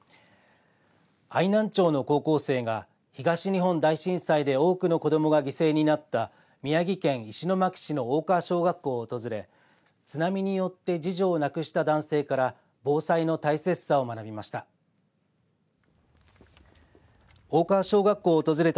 愛南町の高校生が東日本大震災で多くの子どもが犠牲になった宮城県石巻市の大川小学校を訪れ津波によって次女を亡くした男性から防災の大切さを学びました。